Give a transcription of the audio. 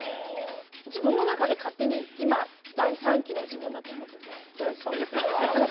自分の中で勝手に今、第３期の自分だと思っていて。